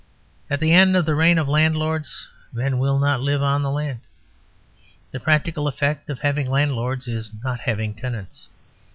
At the end of the reign of landlords men will not live on the land. The practical effect of having landlords is not having tenants.